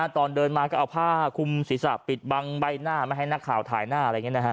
ตอนเดินมาก็เอาผ้าคุมศีรษะปิดบังใบหน้าไม่ให้หน้าขาวไถ่หน้า